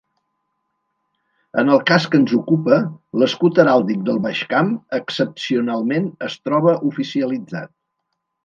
En el cas que ens ocupa, l'escut heràldic del Baix Camp, excepcionalment, es troba oficialitzat.